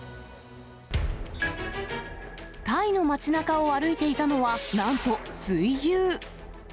タイの町なかを歩いていたのは、なんと水牛。